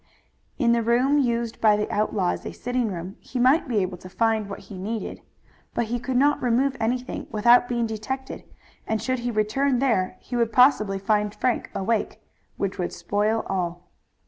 In the room used by the outlaw as a sitting room he might be able to find what he needed. But he could not remove anything without being detected, and should he return there he would possibly find Frank awake, which would spoil all.